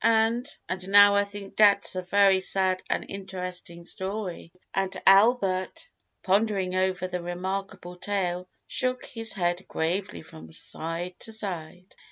"And and now I think dat's a very sad an' interestin' story and Albeit, pondering over the remarkable tale, shook his head gravely from side to side.